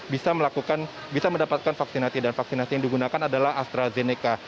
bisa mendapatkan vaksinasi dan vaksinasi yang digunakan adalah astrazeneca